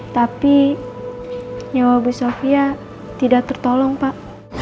tapi nyawa ibu sofia tidak tertolong pak